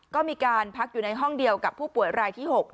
ก็มีการพักอยู่ในห้องเดียวกับผู้ป่วยรายที่๖